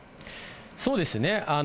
そうですね。